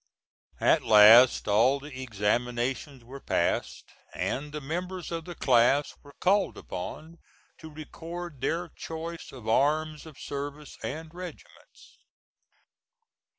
At last all the examinations were passed, and the members of the class were called upon to record their choice of arms of service and regiments.